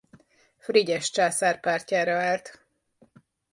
Frigyes császár pártjára állt.